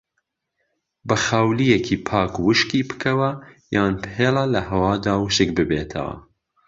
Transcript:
بە خاولیەکی پاک وشکی بکەوە یان بهێڵە لەهەوادا وشک ببێتەوە.